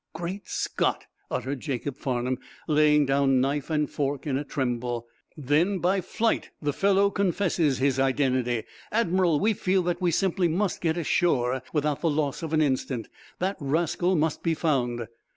"Great Scott!" uttered Jacob Farnum, laying down knife and fork in a tremble. "Then, by flight, the fellow confesses his identity. Admiral, we feel that we simply must get ashore without the loss of an instant. That rascal must be found."